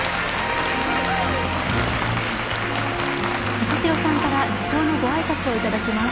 藤代さんから受賞のご挨拶をいただきます。